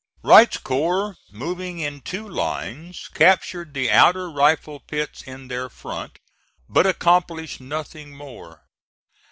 Wright's corps moving in two lines captured the outer rifle pits in their front, but accomplished nothing more.